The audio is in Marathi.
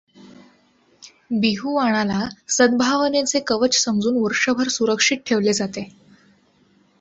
बिहु वाणाला सदभावनेचे कवच समजून वर्षभर सुरक्षित ठेवले जाते.